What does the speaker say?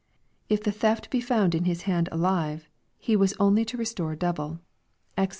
* If the theft be found in his hand alive, he was only to restore double.' (Exod.